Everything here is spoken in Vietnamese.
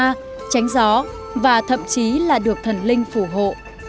sẽ trừ được tà ma tránh gió và thậm chí là được thần linh phủ hộ